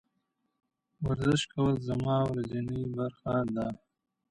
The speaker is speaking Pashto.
ورزش کول زما ورځنۍ برخه ده.